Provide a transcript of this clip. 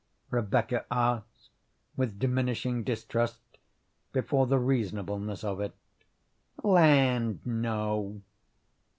Rebecca asked with diminishing distrust before the reasonableness of it. "Land, no!"